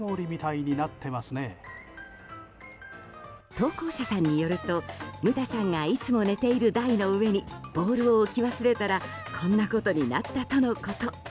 投稿者さんによるとむたさんがいつも寝ている台の上にボウルを置き忘れたらこんなことになったとのこと。